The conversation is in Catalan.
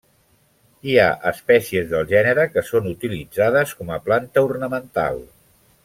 Hi ha espècies del gènere que són utilitzades com a planta ornamental.